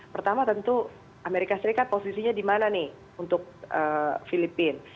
pertama tentu amerika tenggara posisinya dimana nih untuk filipina